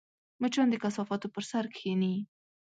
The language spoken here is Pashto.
مچان د کثافاتو پر سر کښېني